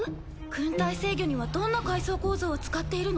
群体制御にはどんな階層構造を使っているの？